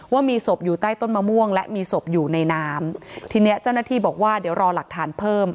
ว่ามีศพอยู่ใต้ต้นมะม่วงและมีศพอยู่ในน้ำทีเนี้ยเจ้าหน้าที่บอกว่าเดี๋ยวรอหลักฐานเพิ่ม